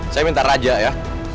saya minta raja ya